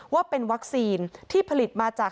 ว่าเป็นวัคซีนที่ผลิตมาจาก